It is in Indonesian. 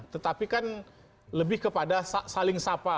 tetapi kan lebih kepada saling sapa